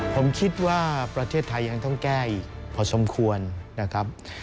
ผมคิดว่าประเทศไทยยังต้องแก้อีกพอสมควรนะครับ